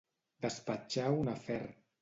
Despatxar un afer.